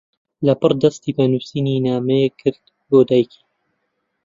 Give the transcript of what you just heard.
لەپڕ دەستی بە نووسینی نامەیەک کرد بۆ دایکی.